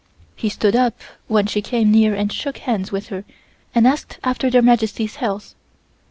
He stood up when she came near and shook hands with her and asked after their Majesties' health.